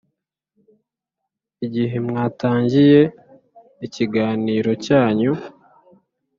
igihe mwatangiye ikiganiro cyanyu,